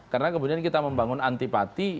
karena kemudian kita membangun antipati